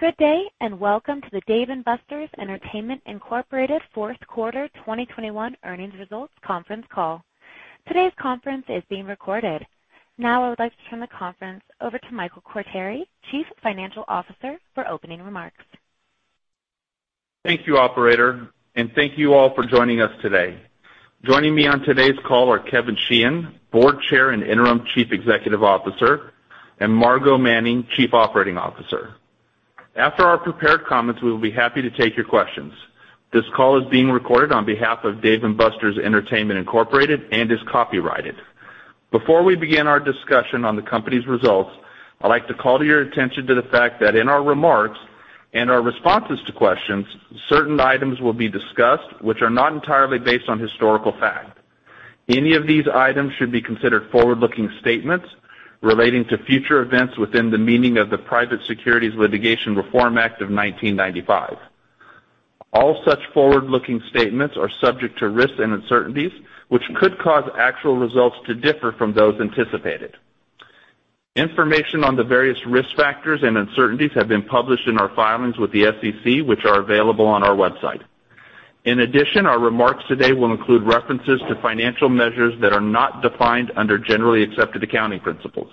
Good day, and welcome to the Dave & Buster's Entertainment, Inc. fourth quarter 2021 earnings results conference call. Today's conference is being recorded. Now, I would like to turn the conference over to Michael Quartieri, Chief Financial Officer, for opening remarks. Thank you, operator, and thank you all for joining us today. Joining me on today's call are Kevin Sheehan, Board Chair and Interim Chief Executive Officer, and Margo Manning, Chief Operating Officer. After our prepared comments, we will be happy to take your questions. This call is being recorded on behalf of Dave & Buster's Entertainment, Inc. and is copyrighted. Before we begin our discussion on the company's results, I'd like to call to your attention to the fact that in our remarks and our responses to questions, certain items will be discussed which are not entirely based on historical fact. Any of these items should be considered forward-looking statements relating to future events within the meaning of the Private Securities Litigation Reform Act of 1995. All such forward-looking statements are subject to risks and uncertainties, which could cause actual results to differ from those anticipated. Information on the various risk factors and uncertainties have been published in our filings with the SEC, which are available on our website. In addition, our remarks today will include references to financial measures that are not defined under generally accepted accounting principles.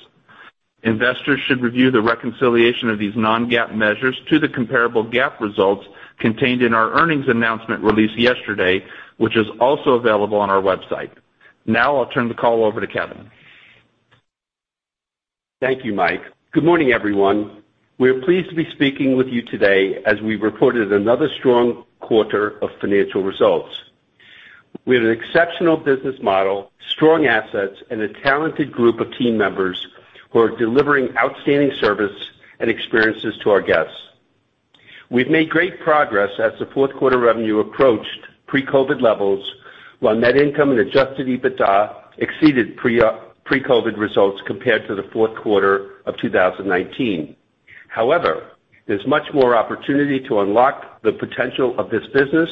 Investors should review the reconciliation of these non-GAAP measures to the comparable GAAP results contained in our earnings announcement released yesterday, which is also available on our website. Now I'll turn the call over to Kevin. Thank you, Mike. Good morning, everyone. We're pleased to be speaking with you today as we reported another strong quarter of financial results. We have an exceptional business model, strong assets, and a talented group of team members who are delivering outstanding service and experiences to our guests. We've made great progress as the fourth quarter revenue approached pre-COVID levels, while net income and adjusted EBITDA exceeded pre-COVID results compared to the fourth quarter of 2019. However, there's much more opportunity to unlock the potential of this business.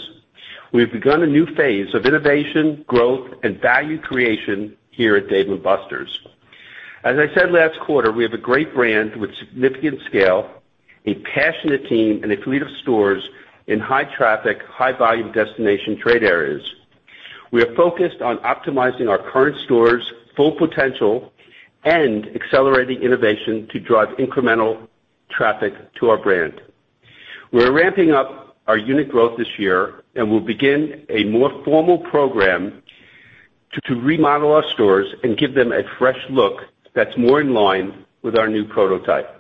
We've begun a new phase of innovation, growth, and value creation here at Dave & Buster's. As I said last quarter, we have a great brand with significant scale, a passionate team, and a fleet of stores in high traffic, high volume destination trade areas. We are focused on optimizing our current stores' full potential and accelerating innovation to drive incremental traffic to our brand. We're ramping up our unit growth this year, and we'll begin a more formal program to remodel our stores and give them a fresh look that's more in line with our new prototype.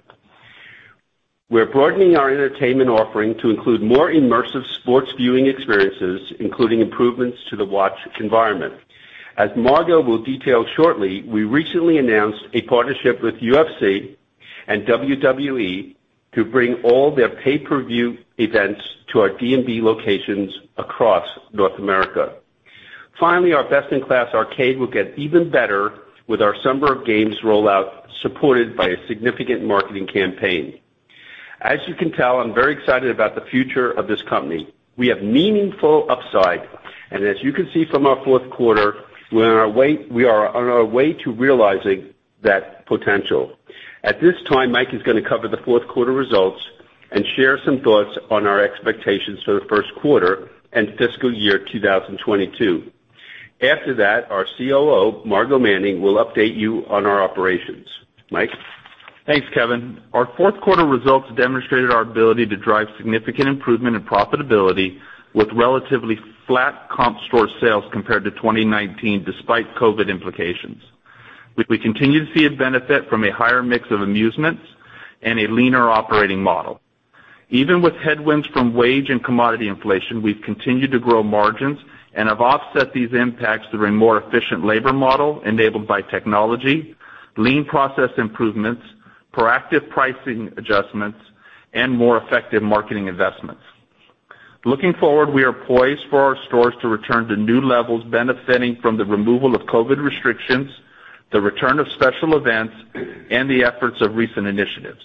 We're broadening our entertainment offering to include more immersive sports viewing experiences, including improvements to the watch environment. As Margo will detail shortly, we recently announced a partnership with UFC and WWE to bring all their pay-per-view events to our D&B locations across North America. Finally, our best-in-class arcade will get even better with our summer of games rollout, supported by a significant marketing campaign. As you can tell, I'm very excited about the future of this company. We have meaningful upside, and as you can see from our fourth quarter, we are on our way to realizing that potential. At this time, Mike is gonna cover the fourth quarter results and share some thoughts on our expectations for the first quarter and fiscal year 2022. After that, our COO, Margo Manning, will update you on our operations. Mike? Thanks, Kevin. Our fourth quarter results demonstrated our ability to drive significant improvement in profitability with relatively flat comp store sales compared to 2019, despite COVID implications. We continue to see a benefit from a higher mix of amusements and a leaner operating model. Even with headwinds from wage and commodity inflation, we've continued to grow margins and have offset these impacts through a more efficient labor model enabled by technology, lean process improvements, proactive pricing adjustments, and more effective marketing investments. Looking forward, we are poised for our stores to return to new levels benefiting from the removal of COVID restrictions, the return of special events, and the efforts of recent initiatives.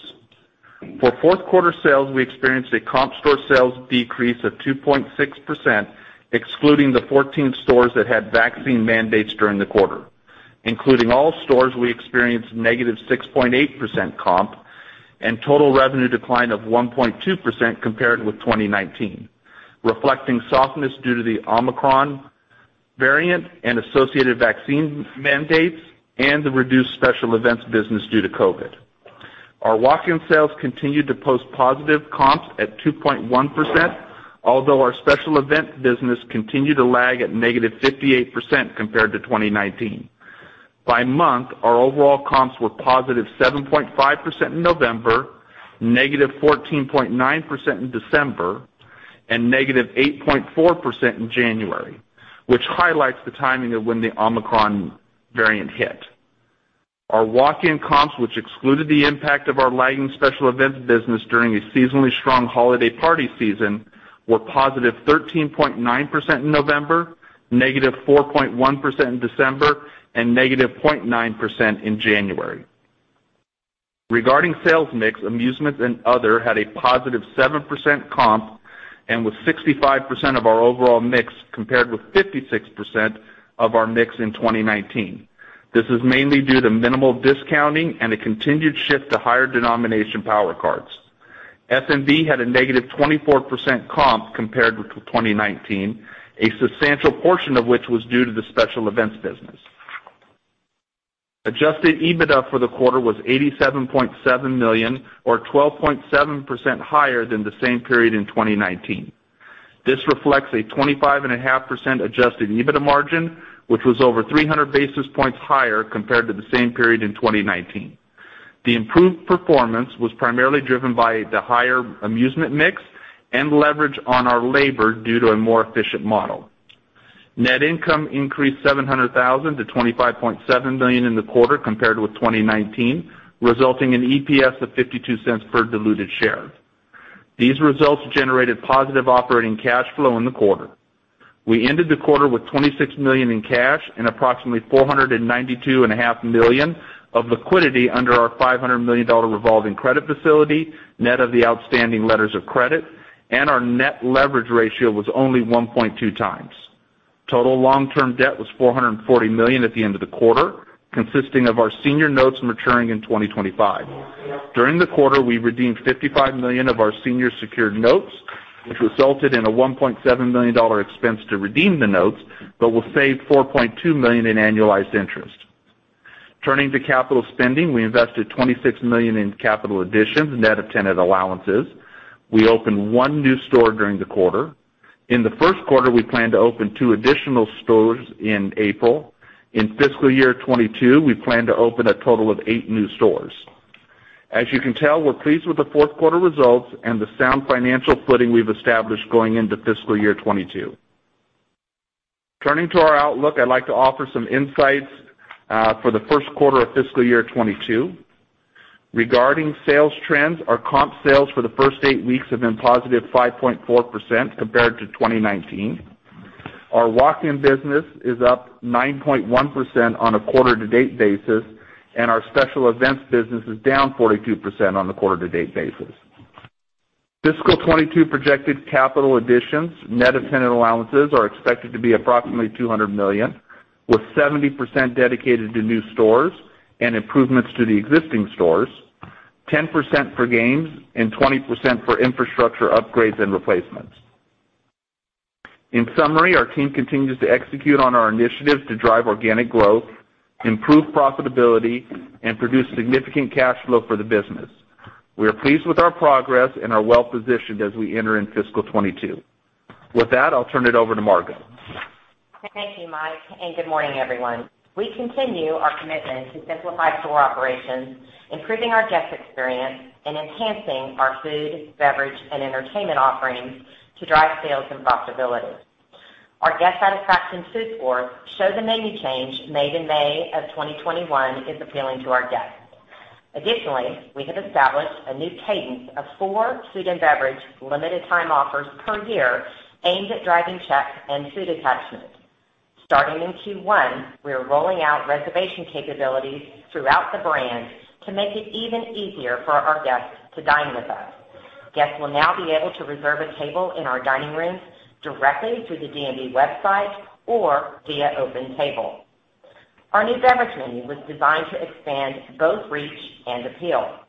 For fourth quarter sales, we experienced a comp store sales decrease of 2.6%, excluding the 14 stores that had vaccine mandates during the quarter. Including all stores, we experienced -6.8% comp and total revenue decline of 1.2% compared with 2019, reflecting softness due to the Omicron variant and associated vaccine mandates and the reduced special events business due to COVID. Our walk-in sales continued to post positive comps at 2.1%, although our special event business continued to lag at -58% compared to 2019. By month, our overall comps were positive 7.5% in November, -14.9% in December, and -8.4% in January, which highlights the timing of when the Omicron variant hit. Our walk-in comps, which excluded the impact of our lagging special events business during a seasonally strong holiday party season, were positive 13.9% in November, negative 4.1% in December, and negative 0.9% in January. Regarding sales mix, amusements and other had a positive 7% comp, and with 65% of our overall mix compared with 56% of our mix in 2019. This is mainly due to minimal discounting and a continued shift to higher denomination Power Cards. F&B had a negative 24% comp compared with 2019, a substantial portion of which was due to the special events business. Adjusted EBITDA for the quarter was $87.7 million or 12.7% higher than the same period in 2019. This reflects a 25.5% adjusted EBITDA margin, which was over 300 basis points higher compared to the same period in 2019. The improved performance was primarily driven by the higher amusement mix and leverage on our labor due to a more efficient model. Net income increased $700,000 to $25.7 million in the quarter compared with 2019, resulting in EPS of $0.52 per diluted share. These results generated positive operating cash flow in the quarter. We ended the quarter with $26 million in cash and approximately $492.5 million of liquidity under our $500 million revolving credit facility, net of the outstanding letters of credit, and our net leverage ratio was only 1.2x. Total long-term debt was $440 million at the end of the quarter, consisting of our senior notes maturing in 2025. During the quarter, we redeemed $55 million of our senior secured notes, which resulted in a $1.7 million dollar expense to redeem the notes, but will save $4.2 million in annualized interest. Turning to capital spending, we invested $26 million in capital additions, net of tenant allowances. We opened 1 new store during the quarter. In the first quarter, we plan to open 2 additional stores in April. In fiscal year 2022, we plan to open a total of 8 new stores. As you can tell, we're pleased with the fourth quarter results and the sound financial footing we've established going into fiscal year 2022. Turning to our outlook, I'd like to offer some insights for the first quarter of fiscal year 2022. Regarding sales trends, our comp sales for the first 8 weeks have been positive 5.4% compared to 2019. Our walk-in business is up 9.1% on a quarter to date basis, and our special events business is down 42% on a quarter to date basis. Fiscal 2022 projected capital additions, net of tenant allowances, are expected to be approximately $200 million, with 70% dedicated to new stores and improvements to the existing stores, 10% for games and 20% for infrastructure upgrades and replacements. In summary, our team continues to execute on our initiatives to drive organic growth, improve profitability and produce significant cash flow for the business. We are pleased with our progress and are well-positioned as we enter in fiscal 2022. With that, I'll turn it over to Margo. Thank you, Mike, and good morning, everyone. We continue our commitment to simplify store operations, improving our guest experience and enhancing our food, beverage and entertainment offerings to drive sales and profitability. Our guest satisfaction scores show the menu change made in May of 2021 is appealing to our guests. Additionally, we have established a new cadence of four food and beverage limited time offers per year aimed at driving checks and food attachment. Starting in Q1, we are rolling out reservation capabilities throughout the brand to make it even easier for our guests to dine with us. Guests will now be able to reserve a table in our dining rooms directly through the D&B website or via OpenTable. Our new beverage menu was designed to expand both reach and appeal.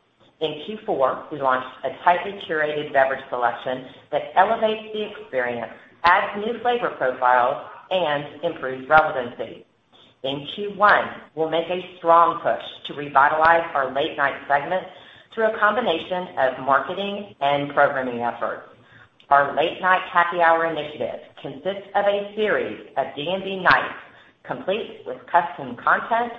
In Q4, we launched a tightly curated beverage selection that elevates the experience, adds new flavor profiles and improves relevancy. In Q1, we'll make a strong push to revitalize our late night segment through a combination of marketing and programming efforts. Our Late Night Happy Hour initiative consists of a series of D&B nights complete with custom content,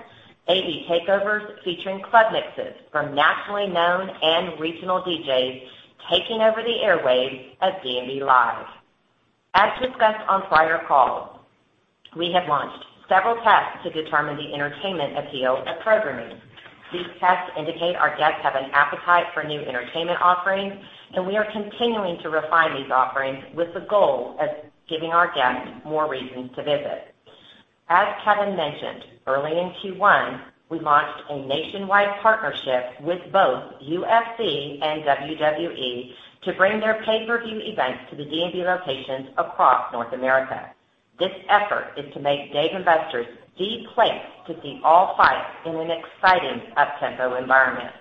AV takeovers featuring club mixes from nationally known and regional DJs taking over the airwaves of D&B Live. As discussed on prior calls, we have launched several tests to determine the entertainment appeal of programming. These tests indicate our guests have an appetite for new entertainment offerings, and we are continuing to refine these offerings with the goal of giving our guests more reason to visit. As Kevin mentioned, early in Q1, we launched a nationwide partnership with both UFC and WWE to bring their pay-per-view events to the D&B locations across North America. This effort is to make Dave & Buster's the place to see all fights in an exciting up-tempo environment.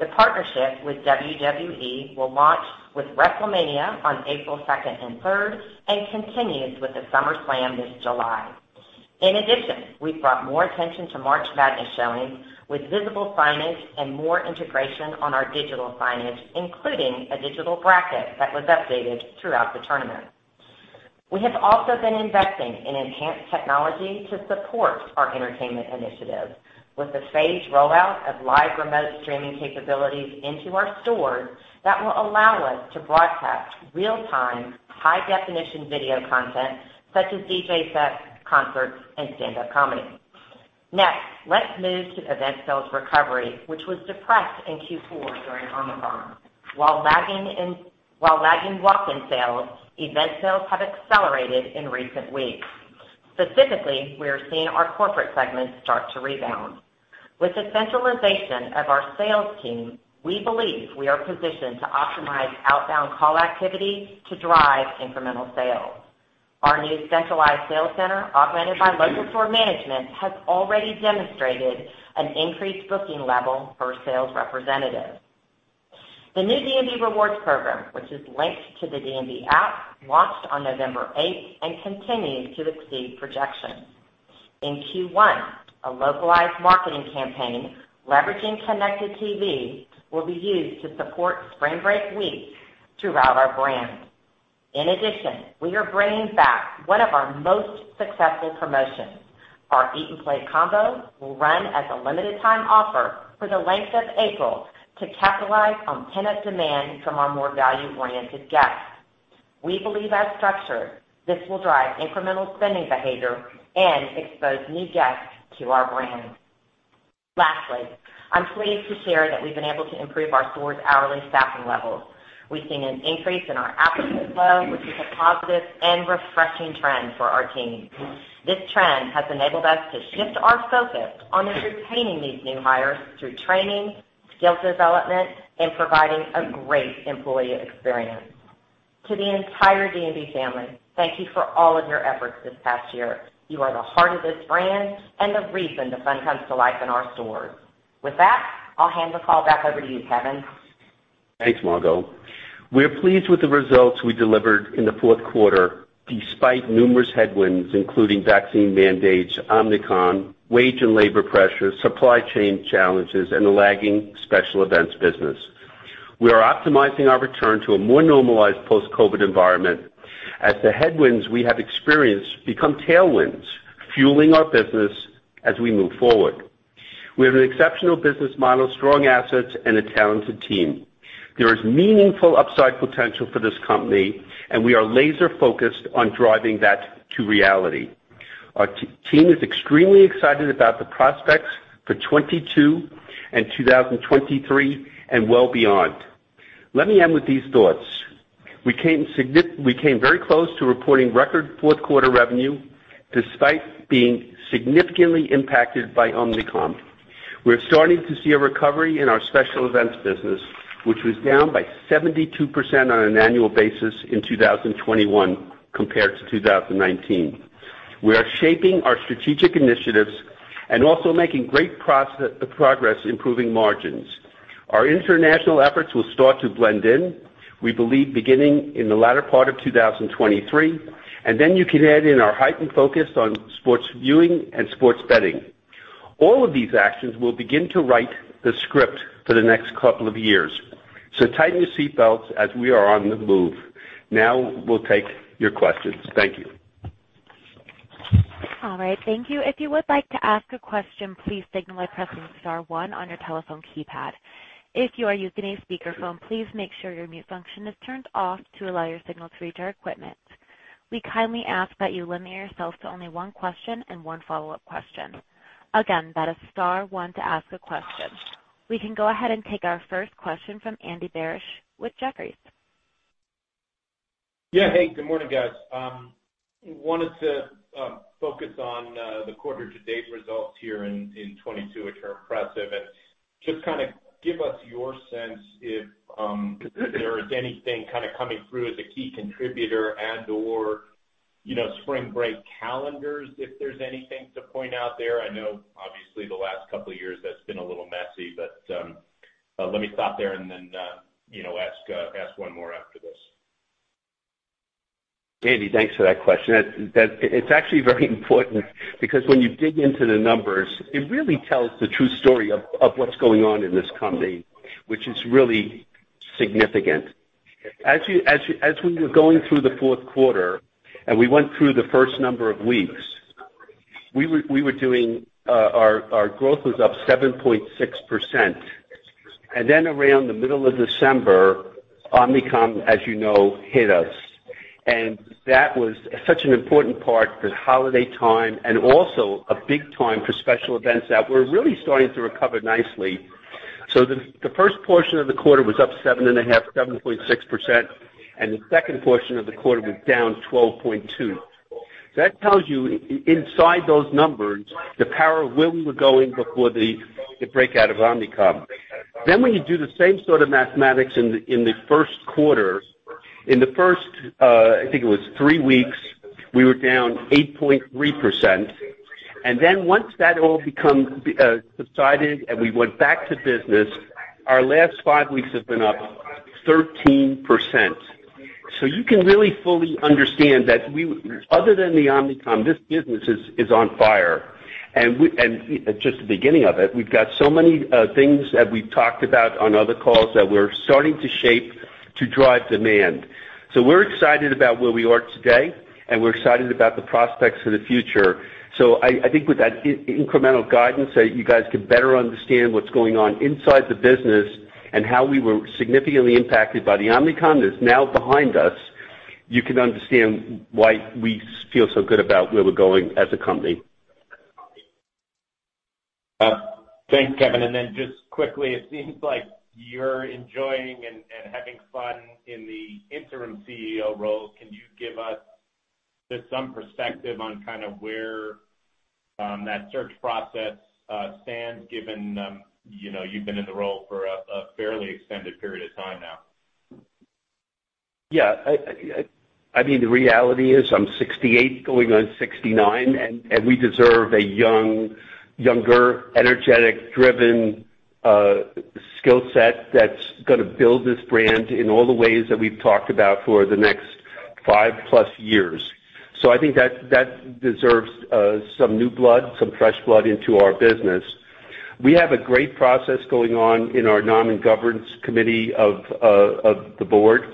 The partnership with WWE will launch with WrestleMania on April second and third and continues with the SummerSlam this July. In addition, we've brought more attention to March Madness showings with visible signage and more integration on our digital signage, including a digital bracket that was updated throughout the tournament. We have also been investing in enhanced technology to support our entertainment initiatives with the phased rollout of live remote streaming capabilities into our stores that will allow us to broadcast real-time, high-definition video content such as DJ sets, concerts and stand-up comedy. Next, let's move to event sales recovery, which was depressed in Q4 during Omicron. While lagging walk-in sales, event sales have accelerated in recent weeks. Specifically, we are seeing our corporate segment start to rebound. With the centralization of our sales team, we believe we are positioned to optimize outbound call activity to drive incremental sales. Our new centralized sales center, augmented by local store management, has already demonstrated an increased booking level per sales representative. The new D&B Rewards program, which is linked to the D&B app, launched on November 8 and continues to exceed projections. In Q1, a localized marketing campaign leveraging connected TV will be used to support spring break week throughout our brand. In addition, we are bringing back one of our most successful promotions. Our Eat & Play Combo will run as a limited time offer for the length of April to capitalize on pent-up demand from our more value-oriented guests. We believe as structured, this will drive incremental spending behavior and expose new guests to our brand. Lastly, I'm pleased to share that we've been able to improve our stores' hourly staffing levels. We've seen an increase in our applicant flow, which is a positive and refreshing trend for our team. This trend has enabled us to shift our focus on entertaining these new hires through training, skills development, and providing a great employee experience. To the entire D&B family, thank you for all of your efforts this past year. You are the heart of this brand and the reason the fun comes to life in our stores. With that, I'll hand the call back over to you, Kevin. Thanks, Margo. We're pleased with the results we delivered in the fourth quarter despite numerous headwinds, including vaccine mandates, Omicron, wage and labor pressures, supply chain challenges, and the lagging special events business. We are optimizing our return to a more normalized post-COVID environment as the headwinds we have experienced become tailwinds, fueling our business as we move forward. We have an exceptional business model, strong assets, and a talented team. There is meaningful upside potential for this company, and we are laser-focused on driving that to reality. Our team is extremely excited about the prospects for 2022 and 2023, and well beyond. Let me end with these thoughts. We came very close to reporting record fourth quarter revenue despite being significantly impacted by Omicron. We're starting to see a recovery in our special events business, which was down by 72% on an annual basis in 2021 compared to 2019. We are shaping our strategic initiatives and also making great progress improving margins. Our international efforts will start to blend in, we believe, beginning in the latter part of 2023, and then you can add in our heightened focus on sports viewing and sports betting. All of these actions will begin to write the script for the next couple of years. Tighten your seatbelts as we are on the move. Now we'll take your questions. Thank you. All right, thank you. If you would like to ask a question, please signal by pressing star one on your telephone keypad. If you are using a speakerphone, please make sure your mute function is turned off to allow your signal to reach our equipment. We kindly ask that you limit yourself to only one question and one follow-up question. Again, that is star one to ask a question. We can go ahead and take our first question from Andy Barish with Jefferies. Yeah. Hey, good morning, guys. Wanted to focus on the quarter to date results here in 2022, which are impressive. Just kinda give us your sense if there is anything kind of coming through as a key contributor and/or, you know, spring break calendars, if there's anything to point out there. I know obviously the last couple of years that's been a little messy, but let me stop there and then, you know, ask one more after this. Andy, thanks for that question. That it's actually very important because when you dig into the numbers, it really tells the true story of what's going on in this company, which is really significant. As we were going through the fourth quarter and we went through the first number of weeks, we were doing our growth was up 7.6%. Then around the middle of December, Omicron, as you know, hit us. That was such an important part because holiday time and also a big time for special events that were really starting to recover nicely. The first portion of the quarter was up 7.5, 7.6%, and the second portion of the quarter was down 12.2%. That tells you inside those numbers, the power of where we were going before the breakout of Omicron. Then when you do the same sort of mathematics in the first quarter. In the first three weeks, we were down 8.3%. Then once that all became subsided and we went back to business, our last five weeks have been up 13%. You can really fully understand that other than the Omicron, this business is on fire. It's just the beginning of it. We've got so many things that we've talked about on other calls that we're starting to shape to drive demand. We're excited about where we are today, and we're excited about the prospects for the future. I think with that incremental guidance that you guys can better understand what's going on inside the business and how we were significantly impacted by the Omicron that's now behind us, you can understand why we feel so good about where we're going as a company. Thanks, Kevin. Just quickly, it seems like you're enjoying and having fun in the Interim CEO role. Can you give us? Just some perspective on kind of where that search process stands, given you know, you've been in the role for a fairly extended period of time now. Yeah. I mean, the reality is I'm 68 going on 69, and we deserve a younger, energetic, driven skill set that's gonna build this brand in all the ways that we've talked about for the next 5+ years. I think that deserves some new blood, some fresh blood into our business. We have a great process going on in our nom and governance committee of the board,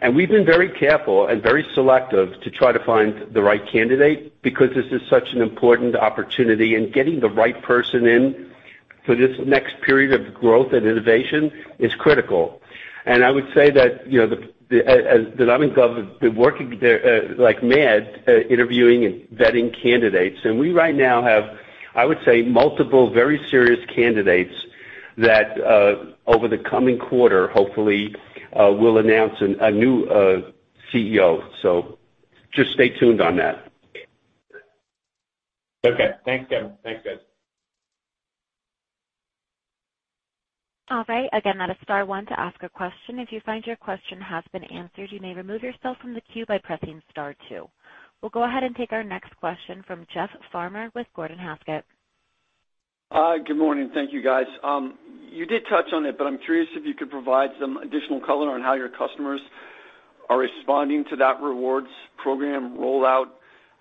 and we've been very careful and very selective to try to find the right candidate because this is such an important opportunity, and getting the right person in for this next period of growth and innovation is critical. I would say that, you know, as the nom and gov has been working their like mad interviewing and vetting candidates. We right now have, I would say, multiple, very serious candidates that, over the coming quarter, hopefully, will announce a new CEO. Just stay tuned on that. Okay. Thanks, Tim. Thanks, guys. All right. Again, that is star one to ask a question. If you find your question has been answered, you may remove yourself from the queue by pressing star two. We'll go ahead and take our next question from Jeff Farmer with Gordon Haskett. Hi. Good morning. Thank you, guys. You did touch on it, but I'm curious if you could provide some additional color on how your customers are responding to that rewards program rollout,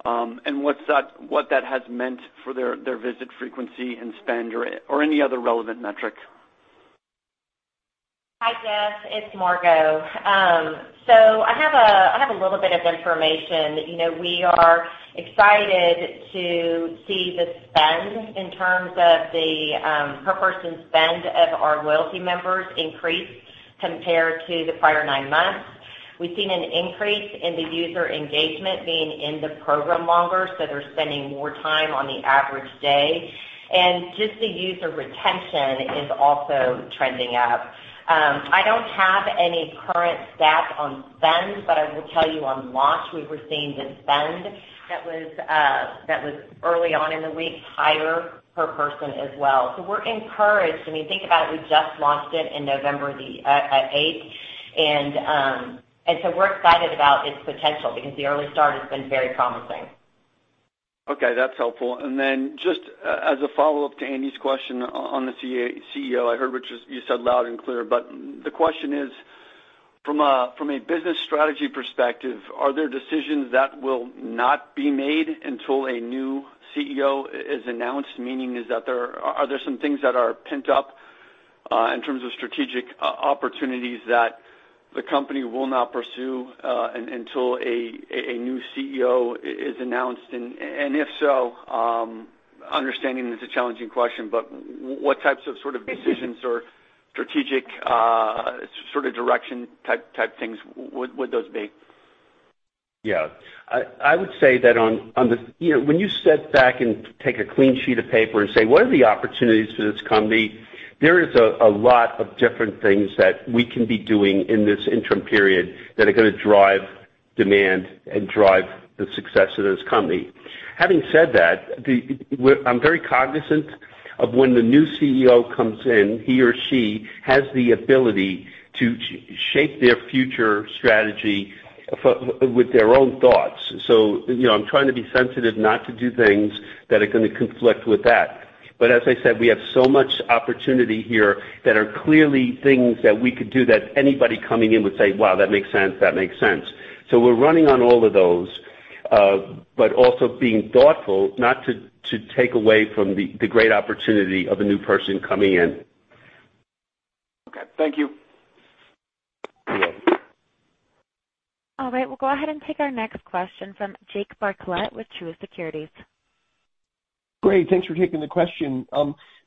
and what that has meant for their visit frequency and spend or any other relevant metric. Hi, Jeff. It's Margo. I have a little bit of information that, you know, we are excited to see the spend in terms of the per person spend of our loyalty members increase compared to the prior nine months. We've seen an increase in the user engagement being in the program longer, so they're spending more time on the average day. Just the user retention is also trending up. I don't have any current stats on spend, but I will tell you on launch, we were seeing the spend that was early on in the week, higher per person as well. We're encouraged. I mean, think about it, we just launched it in November the eighth. We're excited about its potential because the early start has been very promising. Okay. That's helpful. Then just as a follow-up to Andy's question on the CEO. I heard what you said loud and clear, but the question is, from a business strategy perspective, are there decisions that will not be made until a new CEO is announced? Meaning, are there some things that are pent up in terms of strategic opportunities that the company will not pursue until a new CEO is announced? If so, understanding this is a challenging question, but what types of sort of decisions or strategic sort of direction type things would those be? Yeah. I would say that on the. You know, when you sit back and take a clean sheet of paper and say, "What are the opportunities for this company? There is a lot of different things that we can be doing in this interim period that are gonna drive demand and drive the success of this company. Having said that, I'm very cognizant of when the new CEO comes in, he or she has the ability to shape their future strategy with their own thoughts. So, you know, I'm trying to be sensitive not to do things that are gonna conflict with that. But as I said, we have so much opportunity here that are clearly things that we could do that anybody coming in would say, "Wow, that makes sense that makes sense. We're running on all of those, but also being thoughtful not to take away from the great opportunity of a new person coming in. Okay. Thank you. Yeah. All right. We'll go ahead and take our next question from Jake Bartlett with Truist Securities. Great. Thanks for taking the question.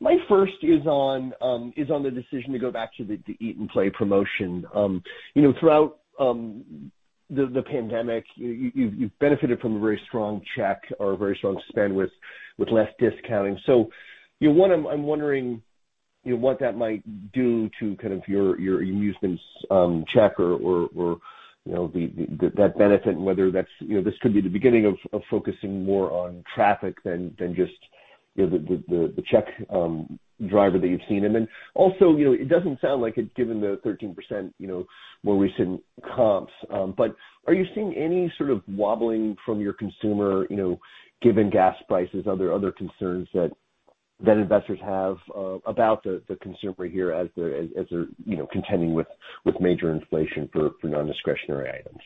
My first is on the decision to go back to the Eat & Play Combo. You know, throughout the pandemic, you've benefited from a very strong check or a very strong spend with less discounting. You know, I'm wondering what that might do to your amusement check or that benefit and whether that's this could be the beginning of focusing more on traffic than just the check driver that you've seen. You know, it doesn't sound like it, given the 13%, you know, more recent comps, but are you seeing any sort of wobbling from your consumer, you know, given gas prices, other concerns that investors have about the consumer here as they're, you know, contending with major inflation for non-discretionary items?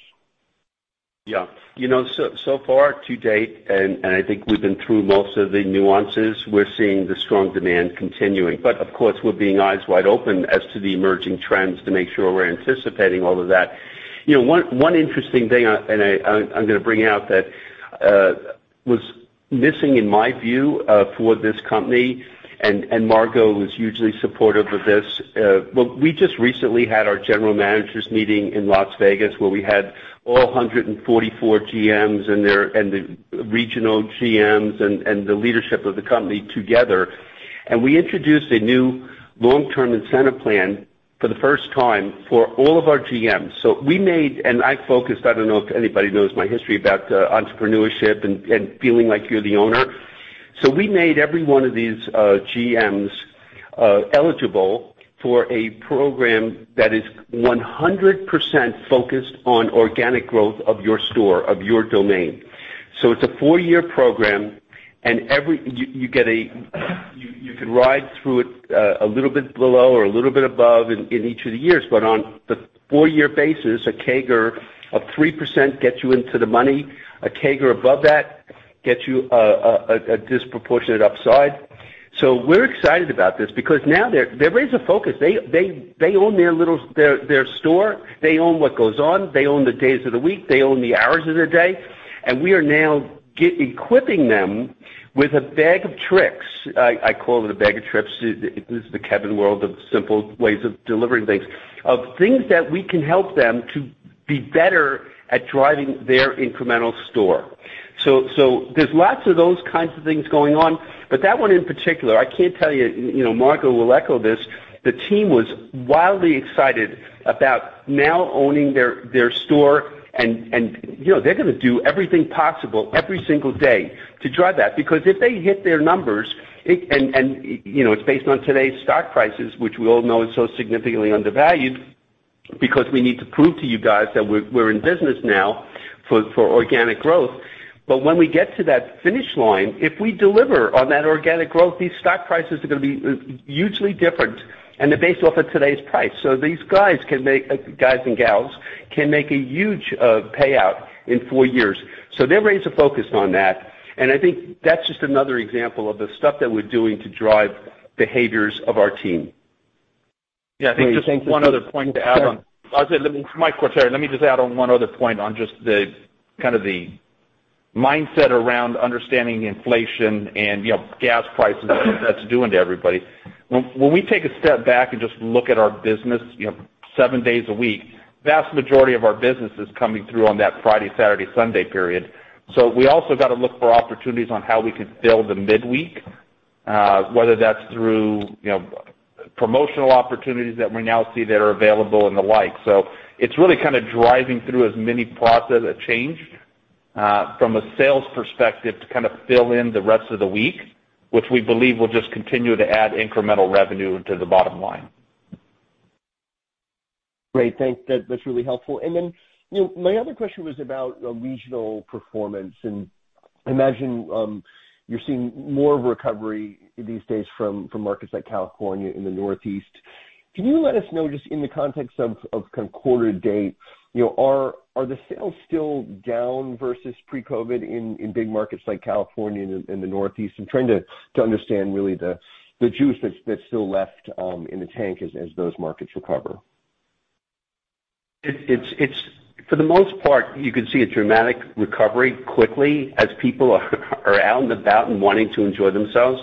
You know, so far to date, I think we've been through most of the nuances. We're seeing the strong demand continuing. Of course, we're being eyes wide open as to the emerging trends to make sure we're anticipating all of that. You know, one interesting thing I'm gonna bring out that was missing in my view for this company, and Margo was hugely supportive of this. We just recently had our general managers meeting in Las Vegas, where we had all 144 GMs and the regional GMs and the leadership of the company together. We introduced a new long-term incentive plan for the first time for all of our GMs. I focused. I don't know if anybody knows my history about entrepreneurship and feeling like you're the owner. We made every one of these GMs eligible for a program that is 100% focused on organic growth of your store, of your domain. It's a four-year program, and you can ride through it a little bit below or a little bit above in each of the years. On the four-year basis, a CAGR of 3% gets you into the money. A CAGR above that gets you a disproportionate upside. We're excited about this because now they've raised the focus. They own their store. They own what goes on. They own the days of the week. They own the hours of their day. We are now equipping them with a bag of tricks. I call it a bag of tricks. This is the Kevin world of simple ways of delivering things, of things that we can help them to be better at driving their incremental store. There's lots of those kinds of things going on. That one in particular, I can tell you know, Margo will echo this, the team was wildly excited about now owning their store and, you know, they're gonna do everything possible every single day to drive that. Because if they hit their numbers, it and, you know, it's based on today's stock prices, which we all know is so significantly undervalued because we need to prove to you guys that we're in business now for organic growth. When we get to that finish line, if we deliver on that organic growth, these stock prices are gonna be hugely different, and they're based off of today's price. These guys and gals can make a huge payout in four years. They've raised the focus on that. I think that's just another example of the stuff that we're doing to drive behaviors of our team. Yeah. I think just one other point to add on. This is Mike Quartieri. Let me just add on one other point on just the kind of the mindset around understanding inflation and, you know, gas prices and what that's doing to everybody. When we take a step back and just look at our business, you know, seven days a week, vast majority of our business is coming through on that Friday, Saturday, Sunday period. We also got to look for opportunities on how we can fill the midweek, whether that's through, you know, promotional opportunities that we now see that are available and the like. It's really kind of driving through as many process of change from a sales perspective to kind of fill in the rest of the week, which we believe will just continue to add incremental revenue into the bottom line. Great. Thanks. That's really helpful. Then, you know, my other question was about, you know, regional performance, and I imagine you're seeing more recovery these days from markets like California and the Northeast. Can you let us know just in the context of kind of quarter to date, you know, are the sales still down versus pre-COVID in big markets like California and in the Northeast? I'm trying to understand really the juice that's still left in the tank as those markets recover. For the most part, you can see a dramatic recovery quickly as people are out and about and wanting to enjoy themselves.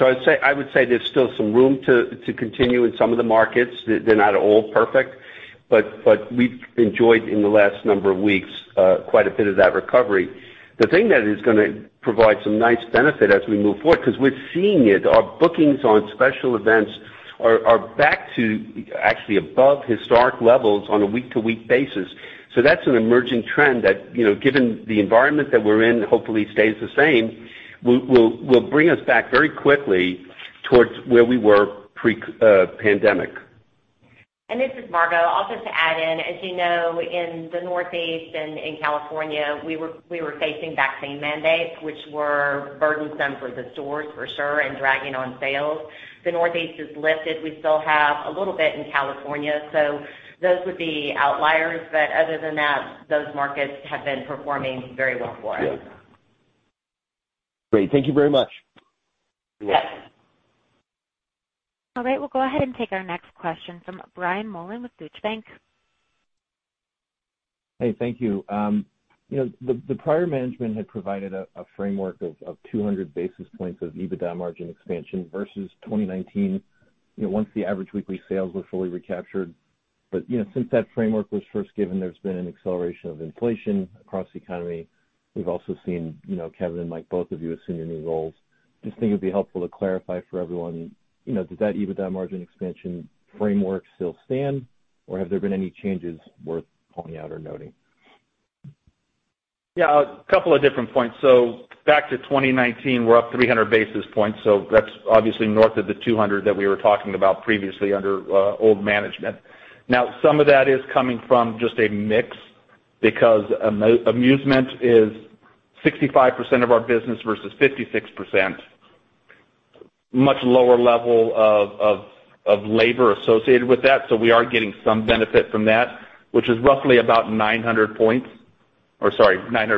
I would say there's still some room to continue in some of the markets. They're not all perfect, but we've enjoyed in the last number of weeks quite a bit of that recovery. The thing that is gonna provide some nice benefit as we move forward, because we're seeing it, our bookings on special events are back to actually above historic levels on a week-to-week basis. So that's an emerging trend that, you know, given the environment that we're in, hopefully stays the same, will bring us back very quickly towards where we were pre-pandemic. This is Margo. I'll just add in. As you know, in the Northeast and in California, we were facing vaccine mandates, which were burdensome for the stores for sure and dragging on sales. The Northeast is lifted. We still have a little bit in California, so those would be outliers. Other than that, those markets have been performing very well for us. Great. Thank you very much. Yes. All right. We'll go ahead and take our next question from Brian Mullan with Deutsche Bank. Hey, thank you. You know, the prior management had provided a framework of 200 basis points of EBITDA margin expansion versus 2019, you know, once the average weekly sales were fully recaptured. You know, since that framework was first given, there's been an acceleration of inflation across the economy. We've also seen, you know, Kevin and Mike, both of you assume your new roles. Just think it'd be helpful to clarify for everyone, you know, does that EBITDA margin expansion framework still stand, or have there been any changes worth calling out or noting? Yeah, a couple of different points. Back to 2019, we're up 300 basis points, that's obviously north of the 200 that we were talking about previously under old management. Now, some of that is coming from just a mix because amusement is 65% of our business versus 56%. Much lower level of labor associated with that. We are getting some benefit from that, which is roughly about 900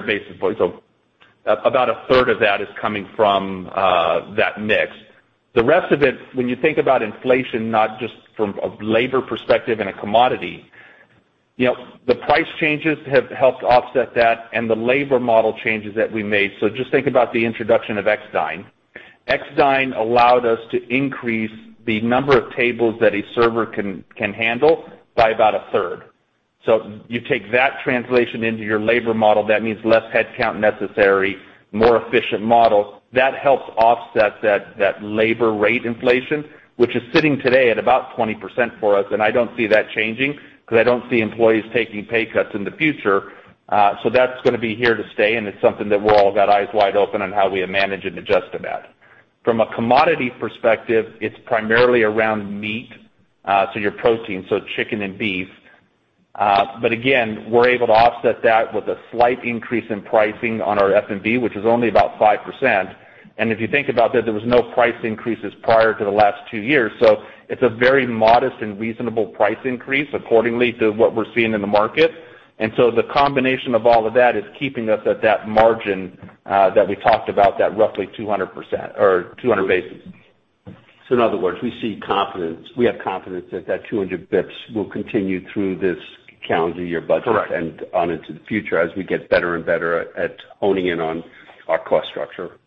basis points. About a third of that is coming from that mix. The rest of it, when you think about inflation, not just from a labor perspective and a commodity, you know, the price changes have helped offset that and the labor model changes that we made. Just think about the introduction of OneDine. OneDine allowed us to increase the number of tables that a server can handle by about a third. You take that translation into your labor model. That means less headcount necessary, more efficient model. That helps offset that labor rate inflation, which is sitting today at about 20% for us. I don't see that changing because I don't see employees taking pay cuts in the future. That's gonna be here to stay, and it's something that we've all got eyes wide open on how we manage and adjust to that. From a commodity perspective, it's primarily around meat, so your protein, so chicken and beef. But again, we're able to offset that with a slight increase in pricing on our F&B, which is only about 5%. If you think about that, there was no price increases prior to the last two years. It's a very modest and reasonable price increase according to what we're seeing in the market. The combination of all of that is keeping us at that margin that we talked about, that roughly 200% or 200 basis. In other words, we have confidence that 200 BPS will continue through this calendar year budget. Correct. on into the future as we get better and better at honing in on our cost structure.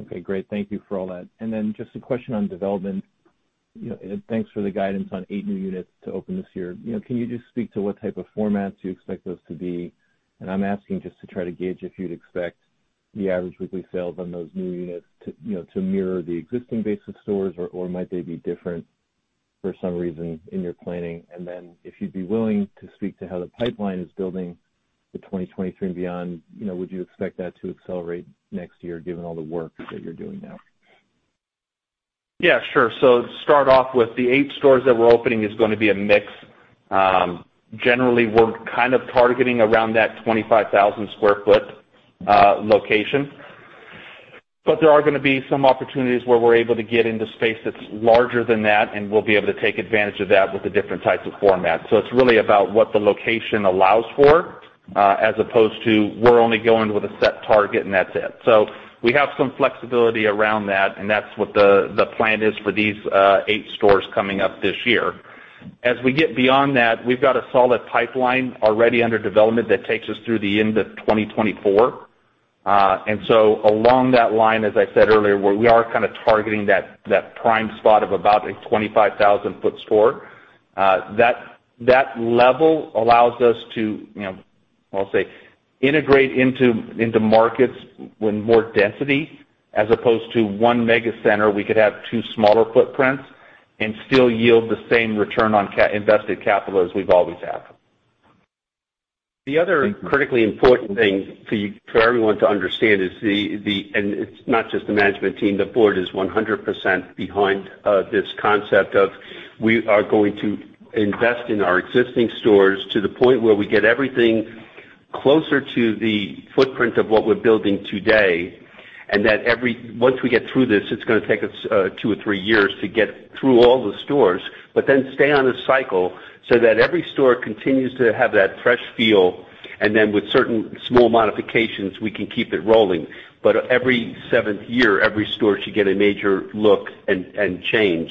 Okay, great. Thank you for all that. Just a question on development. You know, thanks for the guidance on 8 new units to open this year. You know, can you just speak to what type of formats you expect those to be? I'm asking just to try to gauge if you'd expect the average weekly sales on those new units to, you know, to mirror the existing base of stores, or might they be different for some reason in your planning? If you'd be willing to speak to how the pipeline is building for 2023 and beyond, you know, would you expect that to accelerate next year given all the work that you're doing now? Yeah, sure. To start off with, the 8 stores that we're opening is gonna be a mix. Generally, we're kind of targeting around that 25,000 sq ft location. There are gonna be some opportunities where we're able to get into space that's larger than that, and we'll be able to take advantage of that with the different types of formats. It's really about what the location allows for, as opposed to we're only going with a set target and that's it. We have some flexibility around that, and that's what the plan is for these 8 stores coming up this year. As we get beyond that, we've got a solid pipeline already under development that takes us through the end of 2024. Along that line, as I said earlier, where we are kind of targeting that prime spot of about a 25,000-square-foot store, that level allows us to, you know, I'll say, integrate into markets with more density. As opposed to one mega center, we could have two smaller footprints and still yield the same return on invested capital as we've always had. The other critically important thing for everyone to understand is that it's not just the management team, the board is 100% behind this concept of we are going to invest in our existing stores to the point where we get everything closer to the footprint of what we're building today. Once we get through this, it's gonna take us 2 or 3 years to get through all the stores, but then stay on a cycle so that every store continues to have that fresh feel. Then with certain small modifications, we can keep it rolling. Every seventh year, every store should get a major look and change.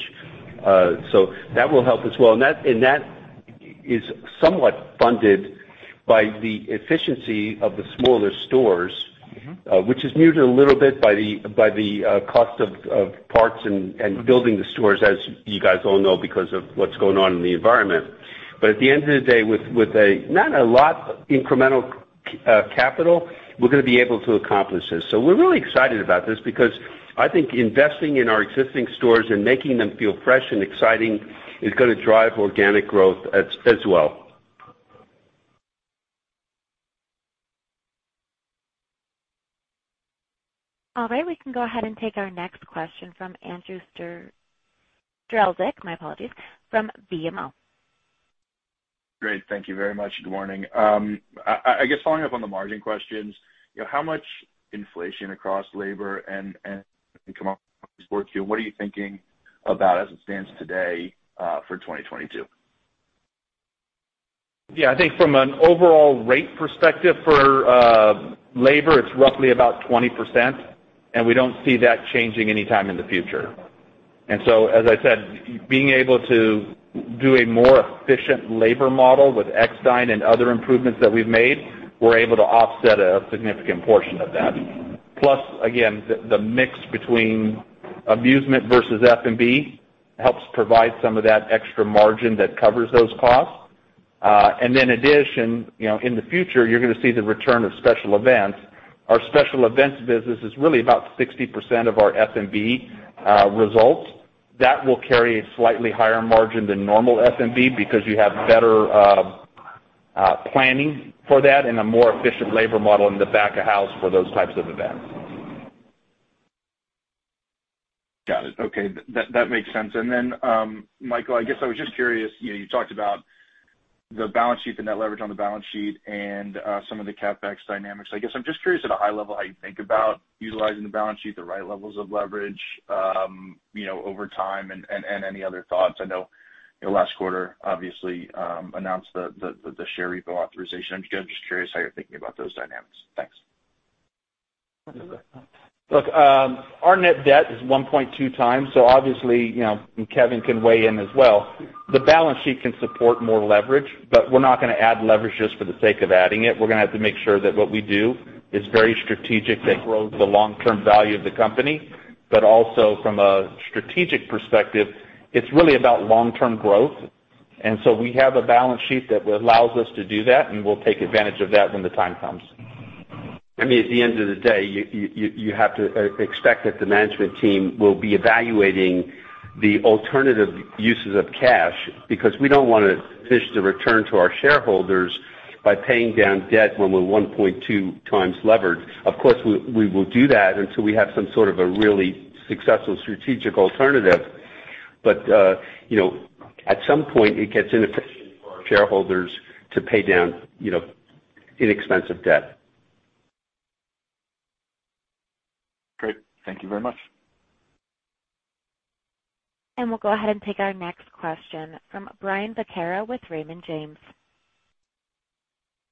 That will help as well. That is somewhat funded by the efficiency of the smaller stores, which is muted a little bit by the cost of parts and building the stores, as you guys all know, because of what's going on in the environment. At the end of the day, with not a lot incremental capital, we're gonna be able to accomplish this. We're really excited about this because I think investing in our existing stores and making them feel fresh and exciting is gonna drive organic growth as well. All right, we can go ahead and take our next question from Andrew Strelzik, my apologies, from BMO. Great. Thank you very much. Good morning. I guess following up on the margin questions, you know, how much inflation across labor and commodities work here? What are you thinking about as it stands today, for 2022? Yeah. I think from an overall rate perspective for labor, it's roughly about 20%, and we don't see that changing anytime in the future. As I said, being able to do a more efficient labor model with Extyn and other improvements that we've made, we're able to offset a significant portion of that. Plus, again, the mix between amusement versus F&B helps provide some of that extra margin that covers those costs. In addition, you know, in the future, you're gonna see the return of special events. Our special events business is really about 60% of our F&B results. That will carry a slightly higher margin than normal F&B because you have better planning for that and a more efficient labor model in the back of house for those types of events. Got it. Okay. That makes sense. Michael, I guess I was just curious. You know, you talked about the balance sheet, the net leverage on the balance sheet and some of the CapEx dynamics. I guess I'm just curious at a high level how you think about utilizing the balance sheet, the right levels of leverage. You know, over time and any other thoughts. I know, you know, last quarter obviously announced the share repo authorization. I'm just curious how you're thinking about those dynamics. Thanks. Look, our net debt is 1.2 times. Obviously, you know, and Kevin can weigh in as well, the balance sheet can support more leverage, but we're not gonna add leverage just for the sake of adding it. We're gonna have to make sure that what we do is very strategic that grows the long-term value of the company. Also from a strategic perspective, it's really about long-term growth. We have a balance sheet that allows us to do that, and we'll take advantage of that when the time comes. I mean, at the end of the day, you have to expect that the management team will be evaluating the alternative uses of cash because we don't want to miss the return to our shareholders by paying down debt when we're 1.2 times levered. Of course, we will do that until we have some sort of a really successful strategic alternative. But you know, at some point it gets inefficient for our shareholders to pay down, you know, inexpensive debt. Great. Thank you very much. We'll go ahead and take our next question from Brian Vaccaro with Raymond James.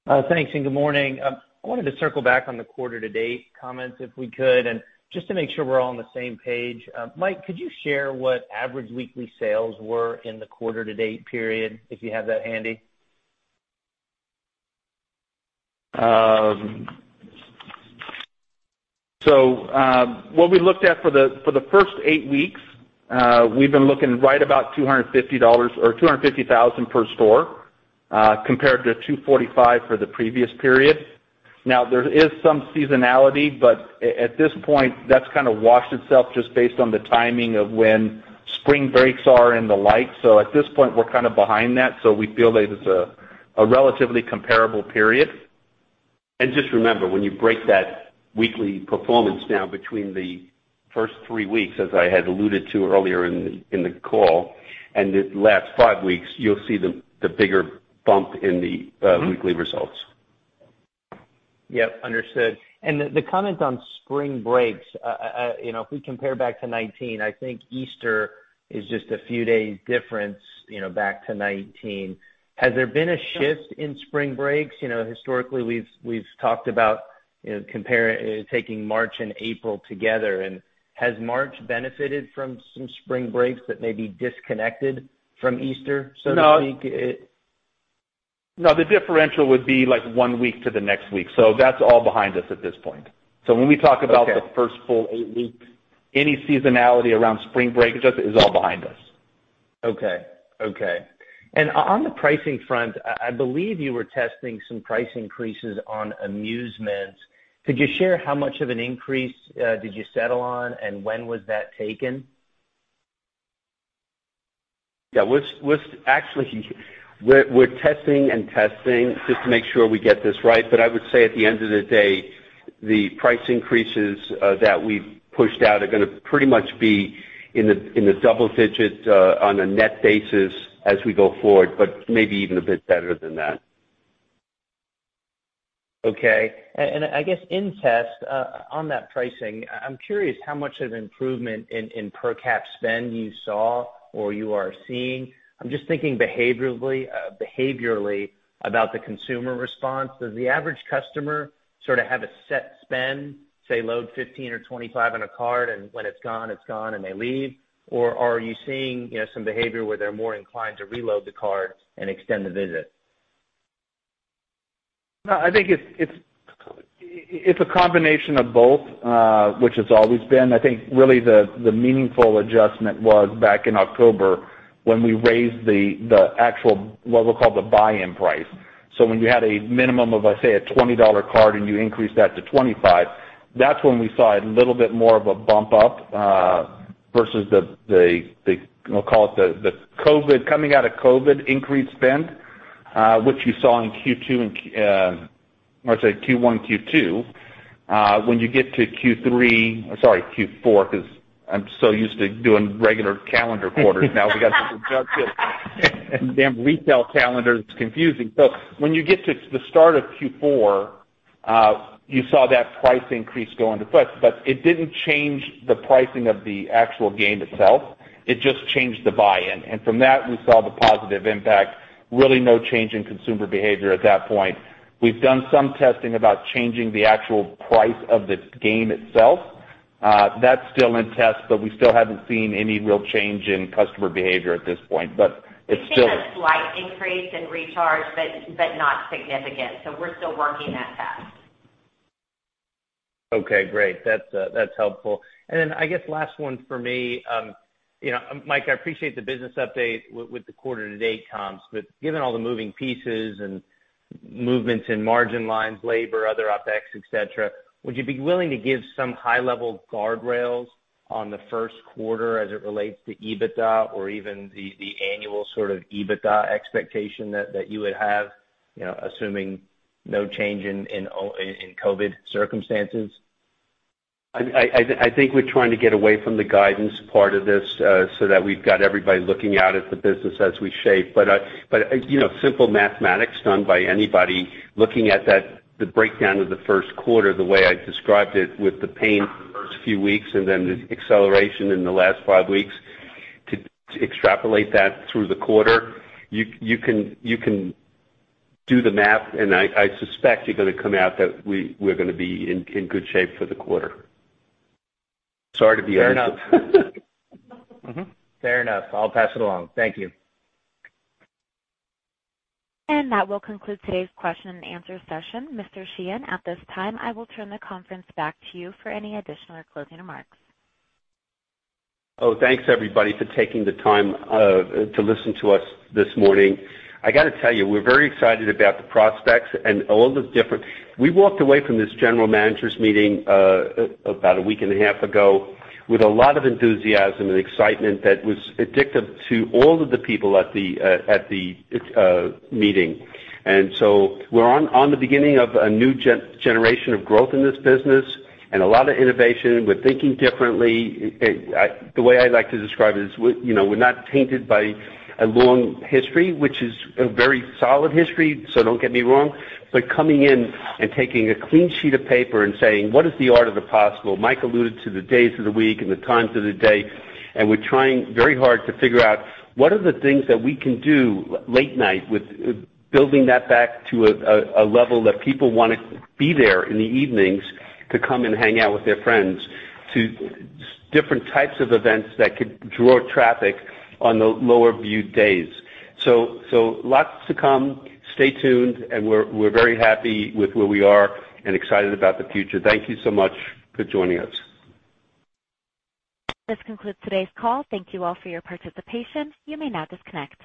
Thanks and good morning. I wanted to circle back on the quarter to date comments, if we could, and just to make sure we're all on the same page. Mike, could you share what average weekly sales were in the quarter to date period, if you have that handy? What we looked at for the first eight weeks, we've been looking right about $250 or $250,000 per store, compared to $245 for the previous period. Now there is some seasonality, but at this point, that's kinda washed itself just based on the timing of when spring breaks are and the like. At this point we're kind of behind that, so we feel that it's a relatively comparable period. Just remember, when you break that weekly performance down between the first three weeks, as I had alluded to earlier in the call, and the last five weeks, you'll see the bigger bump in the weekly results. Yep, understood. The comment on spring breaks, you know, if we compare back to 2019, I think Easter is just a few days difference, you know, back to 2019. Has there been a shift in spring breaks? You know, historically we've talked about, you know, taking March and April together. Has March benefited from some spring breaks that may be disconnected from Easter, so to speak? No, the differential would be like one week to the next week. That's all behind us at this point. Okay. When we talk about the first full eight weeks, any seasonality around spring break just is all behind us. Okay. On the pricing front, I believe you were testing some price increases on amusements. Could you share how much of an increase did you settle on, and when was that taken? Yeah, we're actually testing just to make sure we get this right. I would say at the end of the day, the price increases that we've pushed out are gonna pretty much be in the double digit on a net basis as we go forward, but maybe even a bit better than that. Okay. I guess in test, on that pricing, I'm curious how much of an improvement in per cap spend you saw or you are seeing. I'm just thinking behaviorally about the consumer response. Does the average customer sort of have a set spend, say load 15 or 25 on a card, and when it's gone, it's gone and they leave? Or are you seeing, you know, some behavior where they're more inclined to reload the card and extend the visit? No, I think it's a combination of both, which it's always been. I think really the meaningful adjustment was back in October when we raised the actual, what we'll call the buy-in price. So when you had a minimum of, let's say, a $20 card and you increased that to $25, that's when we saw a little bit more of a bump up versus what we'll call the COVID coming out of COVID increased spend, which you saw in Q1, Q2. When you get to Q4, 'cause I'm so used to doing regular calendar quarters now. We got this adjusted and damn retail calendar, it's confusing. When you get to the start of Q4, you saw that price increase go into effect, but it didn't change the pricing of the actual game itself. It just changed the buy-in. From that, we saw the positive impact. Really no change in consumer behavior at that point. We've done some testing about changing the actual price of the game itself. That's still in test, but we still haven't seen any real change in customer behavior at this point, but it's still- We've seen a slight increase in recharge, but not significant. We're still working that test. Okay, great. That's that's helpful. I guess last one for me. Mike, I appreciate the business update with the quarter to date comps, but given all the moving pieces and movements in margin lines, labor, other OpEx, et cetera, would you be willing to give some high level guardrails on the first quarter as it relates to EBITDA or even the annual sort of EBITDA expectation that you would have, assuming no change in COVID circumstances? I think we're trying to get away from the guidance part of this, so that we've got everybody looking out at the business as we shape. You know, simple mathematics done by anybody looking at that, the breakdown of the first quarter, the way I described it with the pain the first few weeks and then the acceleration in the last five weeks, to extrapolate that through the quarter, you can do the math and I suspect you're gonna come out that we're gonna be in good shape for the quarter. Sorry to be Fair enough. Mm-hmm. Fair enough. I'll pass it along. Thank you. That will conclude today's question and answer session. Mr. Sheehan, at this time, I will turn the conference back to you for any additional or closing remarks. Oh, thanks everybody for taking the time to listen to us this morning. I gotta tell you, we're very excited about the prospects and all the different. We walked away from this general managers meeting about a week and a half ago with a lot of enthusiasm and excitement that was addictive to all of the people at the meeting. We're on the beginning of a new generation of growth in this business and a lot of innovation. We're thinking differently. The way I like to describe it is, we, you know, we're not tainted by a long history, which is a very solid history, so don't get me wrong, but coming in and taking a clean sheet of paper and saying, "What is the art of the possible?" Mike alluded to the days of the week and the times of the day, and we're trying very hard to figure out what are the things that we can do late night with building that back to a level that people wanna be there in the evenings to come and hang out with their friends, to different types of events that could draw traffic on the lower volume days. So lots to come. Stay tuned and we're very happy with where we are and excited about the future. Thank you so much for joining us. This concludes today's call. Thank you all for your participation. You may now disconnect.